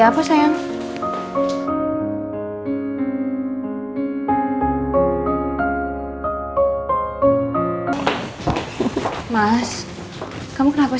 buat ombaknya ma